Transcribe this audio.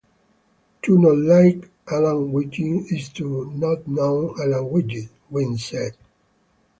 "To not like Alan Wiggins, is to not know Alan Wiggins," Gwynn said.